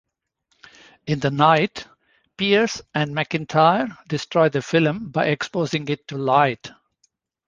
In the night, Pierce and McIntyre destroy the film by exposing it to light.